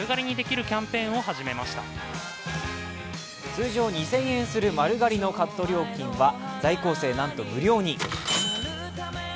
通常２０００円する丸刈りのカット料金は在校生なんと無料に。